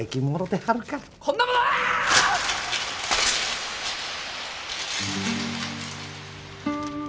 こんなものあー！